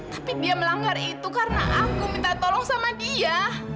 tapi dia melanggar itu karena aku minta tolong sama dia